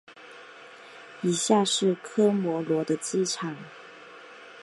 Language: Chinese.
以下是科摩罗的机场。